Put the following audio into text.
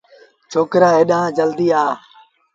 ڇوڪرآ هيڏآن جلديٚ آ۔